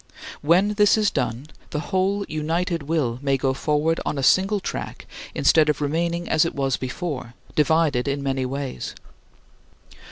When this is done the whole united will may go forward on a single track instead of remaining as it was before, divided in many ways.